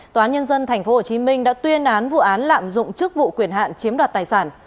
tòa nhân dân tp hcm đã tuyên án vụ án lạm dụng chức vụ quyền hạn chiếm đoạt tài sản